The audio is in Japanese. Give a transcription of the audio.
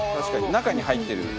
中に入ってる。